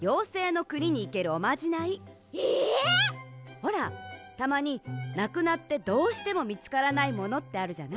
ほらたまになくなってどうしてもみつからないものってあるじゃない？